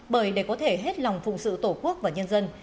bởi để có thể hết lòng phụng sự tổ quốc và nhân dân